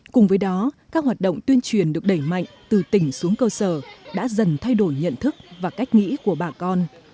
cùng với đó các hoạt động tuyên truyền được đẩy mạnh từ tỉnh xuống cơ sở đã dần thay đổi nhận thức và cách nghĩ của bà con